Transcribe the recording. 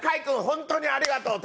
本当にありがとう。